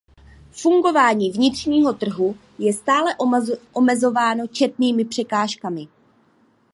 Fungování vnitřního trhu je stále omezováno četnými překážkami.